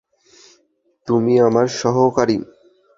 তুমি আমার সহকারী।